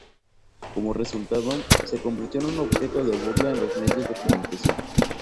Como resultado, se convirtió en un objeto de burla en los medios de comunicación.